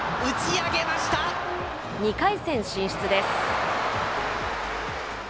２回戦進出です。